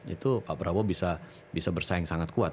itu pak prabowo bisa bersaing sangat kuat